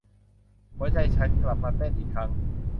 หัวใจฉันกลับมาเต้นอีกครั้ง